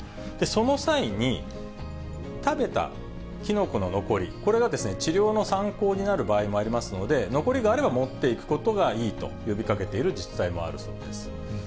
その際に、食べたキノコの残り、これが治療の参考になる場合もありますので、残りがあれば持っていくことがいいと呼びかけている自治体もあるそうです。